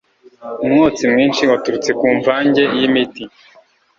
Umwotsi mwinshi waturutse kumvange yimiti.